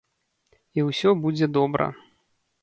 І ўсё будзе добра.